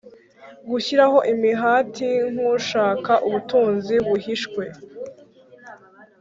gushyiraho imihati nk ushaka ubutunzi buhishwe